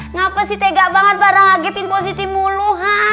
ngapasih tega banget pada ngagetin posisi mulu